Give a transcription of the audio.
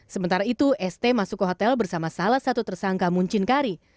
sementara itu st masuk ke hotel bersama salah satu tersangka muncin kari